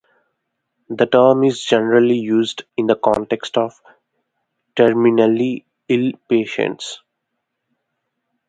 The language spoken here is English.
The term is generally used in the context of terminally ill patients.